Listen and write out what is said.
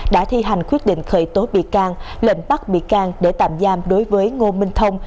đã thi hành quyết định khởi tố bị can lệnh bắt bị can để tạm giam đối với ngô minh thông